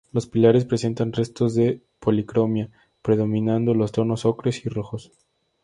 Los pilares presentan restos de policromía, predominando los tonos ocres y rojos.